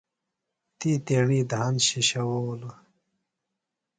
تی تیݨی دھان شِشوؤلوۡ۔